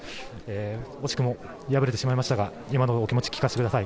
惜しくも敗れてしまいましたが今のお気持ち聞かせてください。